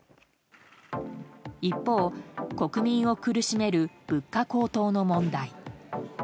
一方、国民を苦しめる物価高騰の問題。